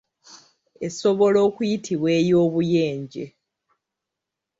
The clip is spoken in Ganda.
Esobola okuyitibwa ey'obuyenje.